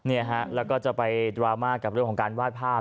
เนี่ยฮะแล้วก็จะไปดราม่ากับเรื่องของการวาดภาพ